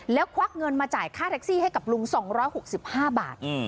แล้วควักเงินมาจ่ายค่าแท็กซี่ให้กับลุง๒๖๕บาท